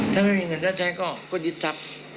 ถ้าไม่มีเงินก็ใช้ก็ยึดซับ